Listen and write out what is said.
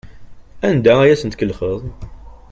Anda ay asen-tkellxeḍ?